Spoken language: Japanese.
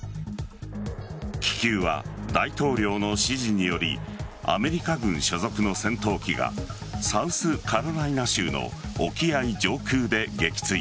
気球は大統領の指示によりアメリカ軍所属の戦闘機がサウスカロライナ州の沖合上空で撃墜。